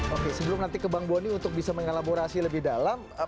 oke sebelum nanti ke bang boni untuk bisa mengelaborasi lebih dalam